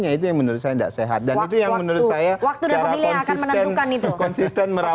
waktu dan pemilih ayah x dengsko bangkai